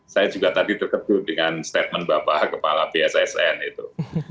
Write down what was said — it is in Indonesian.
saya juga tadi terkejut dengan statement bapak kepala bssn itu